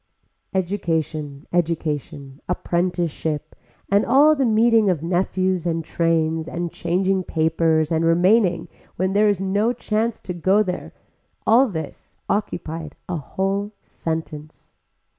Education, education, apprenticeship, and all the meeting of nephews and trains and changing papers and remaining when there is no chance to go there, all this occupied a whole sentence.